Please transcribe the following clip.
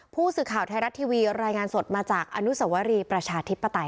ผู้สื่อข่าวไทยรัฐทีวีรายงานสดมาจากอนุสวรีประชาธิปไตย